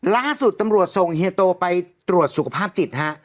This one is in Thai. ล่าสุดตำรวจส่งเฮียโตไปตรวจสุขภาพจิตฮะ